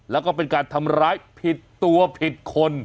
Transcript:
แล้วก็เป็นการทำร้ายผิดตัวผิดคน